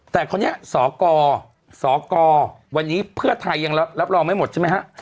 แต่คราวนี้สกสกวันนี้เพื่อไทยยังรับรองไม่หมดใช่ไหมฮะ